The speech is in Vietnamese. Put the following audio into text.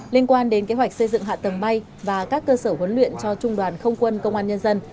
liên quan đến kế hoạch xây dựng hạ tầng bay và các cơ sở huấn luyện cho trung đoàn không quân công an nhân dân